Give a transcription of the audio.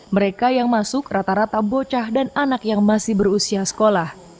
mereka yang masuk rata rata bocah dan anak yang masih berusia sekolah